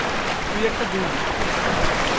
তুই একটা দুর্বৃত্ত!